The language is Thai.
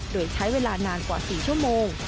โดยใช้เวลานานกว่า๔ชั่วโมง